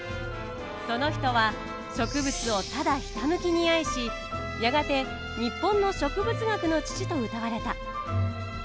その人は植物をただひたむきに愛しやがて日本の植物学の父とうたわれた。